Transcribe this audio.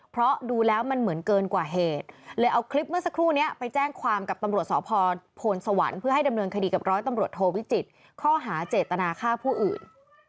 เพราะดูแล้วมันเหมือนเกินกว่าเหตุเลยเอาคลิปเมื่อสักครู่นี้ไปแจ้งความกับตำรวจสพโพนสวรรค์เพื่อให้ดำเนินคดีกับร้อยตำรวจโทวิจิตรข้อหาเจตนาฆ่าผู้อื่น